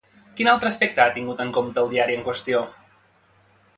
Quin altre aspecte ha tingut en compte el diari en qüestió?